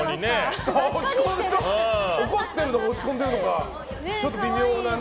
怒ってるのか落ち込んでるのかちょっと微妙なね。